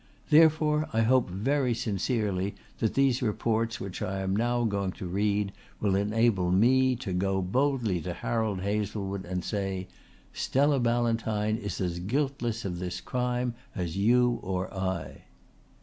Therefore I hope very sincerely that these reports which I am now going to read will enable me to go boldly to Harold Hazlewood and say: 'Stella Ballantyne is as guiltless of this crime as you or I.'"